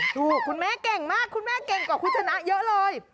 คุณแม่เก่งมากคุณแม่เก่งกว่าคุณชนะเยอะเลย